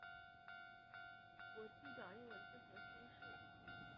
国际表意文字核心是现时汉字编码的最小标准。